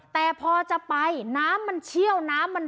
แต่พอจะไปน้ำมันเชี่ยวน้ำมัน